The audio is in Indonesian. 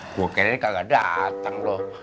gue kira ini kagak datang loh